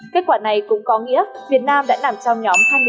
kết quả này cũng có nghĩa việt nam đã nằm trong nhóm hai